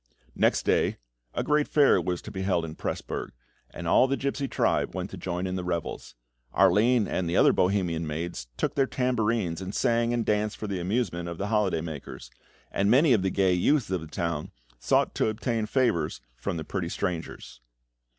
Next day a great fair was held in Presburg, and all the gipsy tribe went to join in the revels. Arline and the other Bohemian maids took their tambourines, and sang and danced for the amusement of the holiday makers; and many of the gay youths of the town sought to obtain favours from the pretty strangers.